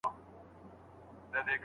سردرد د فشار کمولو سره کمېږي.